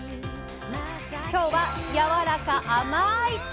今日はやわらか甘い！